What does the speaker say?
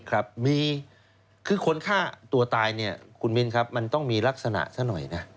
ครับมีคือคนฆ่าตัวตายเนี่ยคุณมินครับมันต้องมีลักษณะซะหน่อยนะ